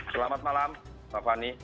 selamat malam pak fani